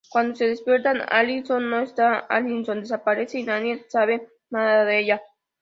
Cuando se despiertan Alison no está, Alison desaparece y nadie sabe nada de ella.